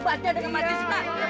wah pak gatalnya hilang